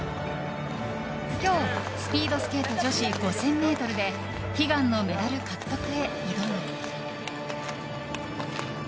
今日、スピードスケート女子５０００ｍで悲願のメダル獲得へ挑む。